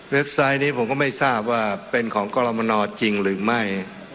ไซต์นี้ผมก็ไม่ทราบว่าเป็นของกรมนจริงหรือไม่